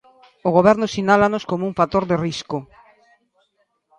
O Goberno sinálanos como un factor de risco.